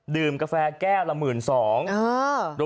กาแฟแก้วละ๑๒๐๐บาท